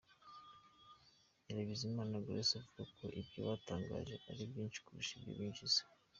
Nyirabizimana Grace avuga ko ibyo batanga ari byinshi kurusha ibyo binjiza.